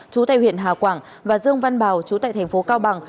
chú tại huyện hà quảng và dương văn bào chú tại tp cao bằng